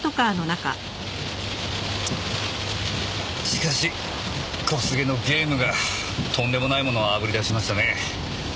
しかし小菅のゲームがとんでもないものを炙り出しましたねえ。